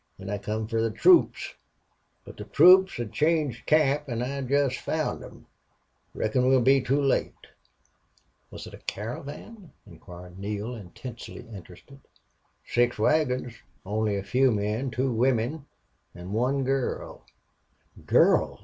Then I come fer the troops. But the troops had changed camp an' I jest found them. Reckon we'll be too late." "Was it a caravan?" inquired Neale, intensely interested. "Six wagons. Only a few men. Two wimmen. An' one girl." "Girl!"